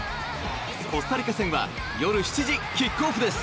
コスタリカ戦は夜７時キックオフです。